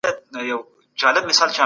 دغه ولسوالي د امنیت له پلوه ډېره باوري ده